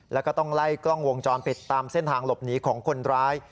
แล้วก็ต้องไล่กล้องวงจรปิดตามเส้นทางหลบหนีของคนร้าย